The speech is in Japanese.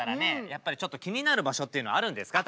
やっぱりちょっと気になる場所っていうのあるんですか？